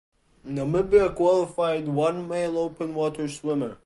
Namibia qualified one male open water swimmer.